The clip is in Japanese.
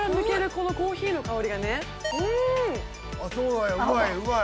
あっそうなんやうまいうまい！